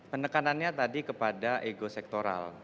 penekanannya tadi kepada ego sektoral